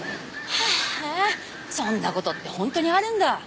へえそんな事って本当にあるんだ。